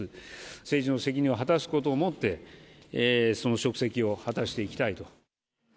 政治の責任を果たすことをもって、その職責を果たしていきたいと。